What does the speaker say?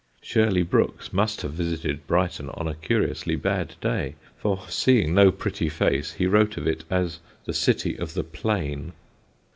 (Shirley Brooks must have visited Brighton on a curiously bad day, for seeing no pretty face he wrote of it as "The City of the Plain.")